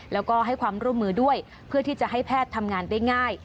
แล้วก็ให้ความร่วมมือด้วยเพื่อที่จะให้แพทย์ทำงานได้ง่าย